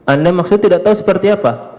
anda maksudnya tidak tahu seperti apa